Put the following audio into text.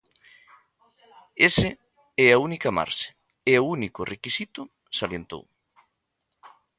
Ese é a única marxe, é o único requisito, salientou.